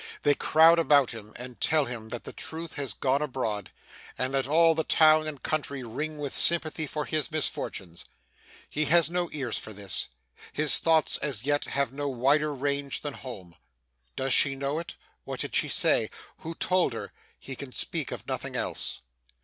They crowd about him, and tell him that the truth has gone abroad, and that all the town and country ring with sympathy for his misfortunes. He has no ears for this. His thoughts, as yet, have no wider range than home. Does she know it? what did she say? who told her? He can speak of nothing else.